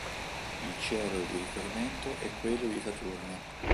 Il cielo di riferimento è quello di Saturno.